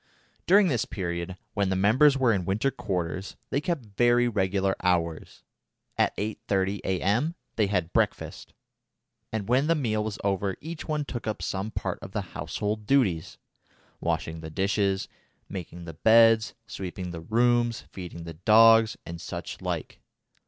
During this period, when the members were in winter quarters, they kept very regular hours. At 8.30 A.M. they had breakfast, and when the meal was over each one took up some part of the household duties washing the dishes, making the beds, sweeping the rooms, feeding the dogs, and such like.